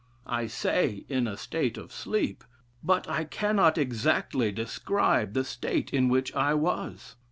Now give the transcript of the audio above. I say in a state of sleep: but I cannot exactly describe the state in which I was.